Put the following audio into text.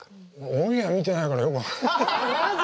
オンエア見てないからよく分かんない。